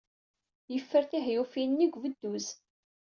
Yeffer tihyufin-nni deg ubduz.